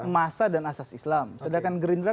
masa dan asas islam sedangkan gerindra